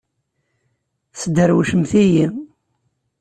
Tesderwcemt-iyi!